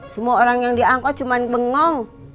semua orang yang diangkut cuma bengom